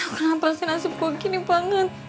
kenapa sih nasib gue gini banget